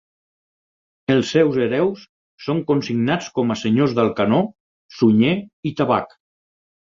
Els seus hereus són consignats com a senyors d'Alcanó, Sunyer i Tabac.